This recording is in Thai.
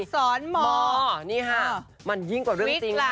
อักษรหมอนี่ค่ะมันยิ่งกว่าเรื่องจริงค่ะ